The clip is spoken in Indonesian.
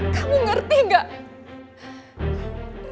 kamu ngerti nggak